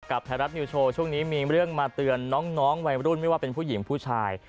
ไทยรัฐนิวโชว์ช่วงนี้มีเรื่องมาเตือนน้องวัยรุ่นไม่ว่าเป็นผู้หญิงผู้ชาย